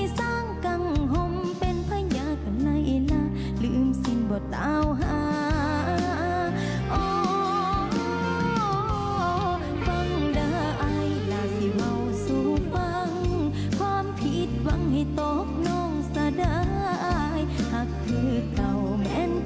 แฟนเก่าบดซ่าวลูก